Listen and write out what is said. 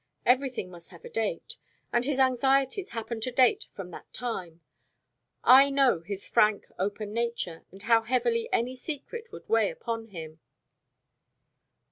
Everything must have a date; and his anxieties happen to date from that time. I know his frank open nature, and how heavily any secret would weigh upon him."